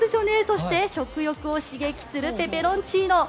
そして食欲を刺激するペペロンチーノ。